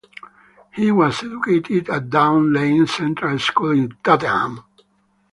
He was educated at Down Lane Central School in Tottenham.